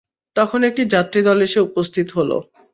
তখন একটি যাত্রীদল এসে উপস্থিত হলো।